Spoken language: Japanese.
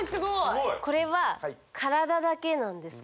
これは体だけなんですか？